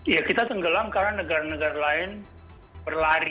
ya kita tenggelam karena negara negara lain berlari